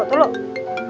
nih teleponnya bunyi